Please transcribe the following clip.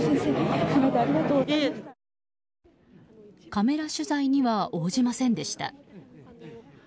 カメラ取材には応じませんでした。